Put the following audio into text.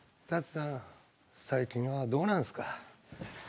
たつさん最近はどうなんすか？